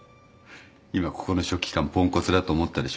今ここの書記官ポンコツだと思ったでしょ。